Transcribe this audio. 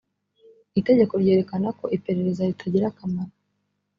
itegeko ryerekanako iperereza ritagira akamaro